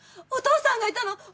お父さんがいたの。